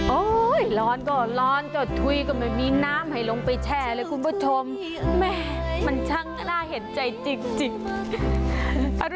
ร้อนก็ร้อนเจ้าถุยก็ไม่มีน้ำให้ลงไปแช่เลยคุณผู้ชมแม่มันช่างน่าเห็นใจจริง